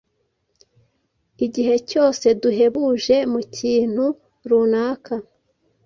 Igihe cyose duhebuje mu kintu runaka,